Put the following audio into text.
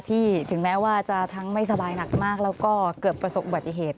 ถึงแม้ว่าจะทั้งไม่สบายหนักมากแล้วก็เกิดประสบอุบัติเหตุ